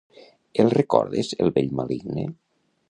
El recordes, el vell maligne?